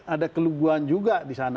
ada keluguan juga disana